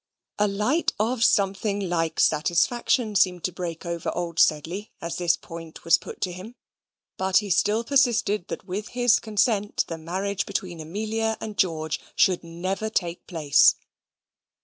A light of something like satisfaction seemed to break over old Sedley as this point was put to him: but he still persisted that with his consent the marriage between Amelia and George should never take place.